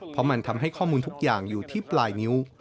เพราะมันทำให้ข้อมูลทุกอย่างอยู่ที่ปลายนิ้ว